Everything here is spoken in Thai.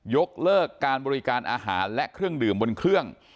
ยกเลิกการบริการอาหารและเครื่องดื่มบนเครื่อง